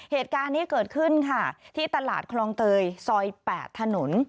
เหตุการณ์นี้เกิดขึ้นค่ะที่ตลาดคลองเตยซอย๘ถนน